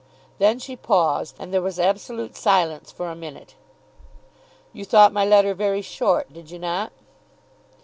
Then she paused, and there was absolute silence for a minute. "You thought my letter very short; did you not?"